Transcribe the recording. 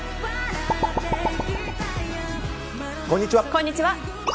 こんにちは。